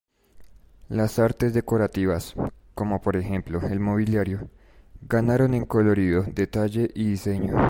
Las artes decorativas ─como por ejemplo, el mobiliario─ ganaron en colorido, detalle y diseño.